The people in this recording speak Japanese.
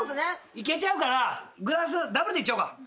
いけちゃうからグラスダブルでいっちゃおうか。